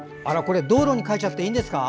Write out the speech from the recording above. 道路に書いちゃっていいんですか？